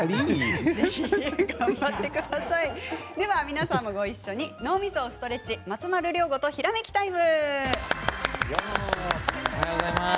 皆さんもごいっしょに脳みそをストレッチ松丸亮吾とひらめきタイム！